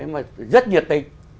mà rất nhiệt tình